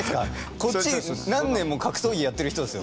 こっち何年も格闘技やってる人ですよ。